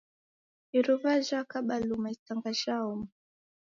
Iruwa jhakaba luma, isanga jhaoma.